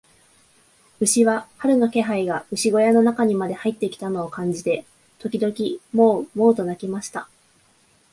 牛は、春の気配が牛小屋の中にまで入ってきたのを感じて、時々モウ、モウと鳴きました。